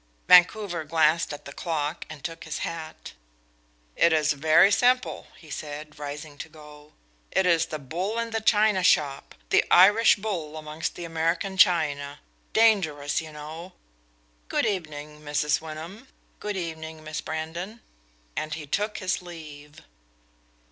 Vancouver glanced at the clock and took his hat. "It is very simple," he said, rising to go. "It is the bull in the china shop the Irish bull amongst the American china dangerous, you know. Good evening, Mrs. Wyndham; good evening, Miss Brandon." And he took his leave.